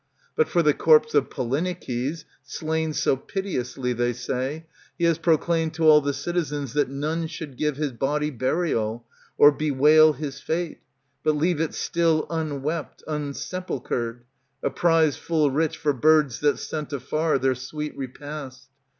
But for the corpse of Polyneikes, slain So piteously, they say, he has proclaimed To all the citizens, that none should give His body burial, or bewail his fate, But leave it still unwept, unsepulchred,^ A prize full rich for birds that scent afar •• Their sweet repast.